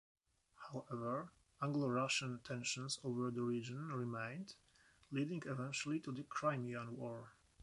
However, Anglo-Russian tensions over the region remained, leading eventually to the Crimean War.